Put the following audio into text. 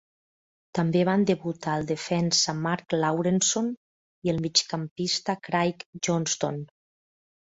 També van debutar el defensa Mark Lawrenson i el migcampista Craig Johnston.